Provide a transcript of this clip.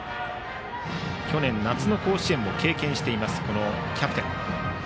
去年夏の甲子園も経験していますキャプテン。